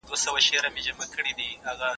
ستا پستو غوښو ته اوس مي هم زړه کیږي